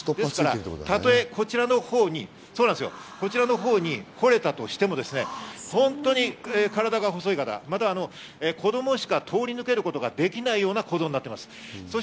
たとえこちらのほうに来れたとしても本当に体が細い方、または子供しか通り抜けることができないような構造になっています。